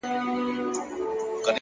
• شاعره خداى دي زما ملگرى كه،